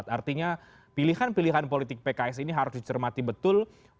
artinya pilihan pilihan politik pks ini harus dicermati betul